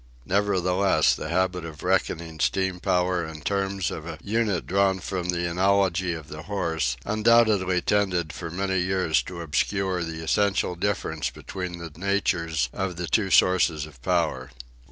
Nevertheless the habit of reckoning steam power in terms of a unit drawn from the analogy of the horse undoubtedly tended for many years to obscure the essential difference between the natures of the two sources of power.